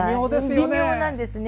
微妙なんですね。